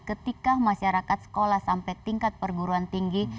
ketika masyarakat sekolah sampai tingkat perguruan tinggi